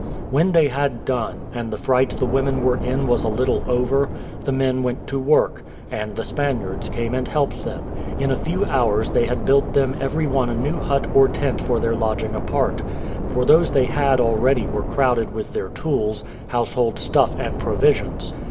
When they had done, and the fright the women were in was a little over, the men went to work, and the Spaniards came and helped them: and in a few hours they had built them every one a new hut or tent for their lodging apart; for those they had already were crowded with their tools, household stuff, and provisions.